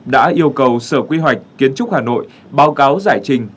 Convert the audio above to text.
đã yêu cầu sở quy hoạch kiến trúc hà nội báo cáo giải trình